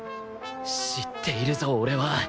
知っているぞ俺は